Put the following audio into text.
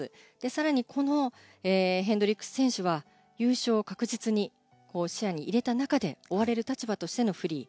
更にヘンドリックス選手は優勝を確実に視野に入れた中で追われる立場としてのフリー。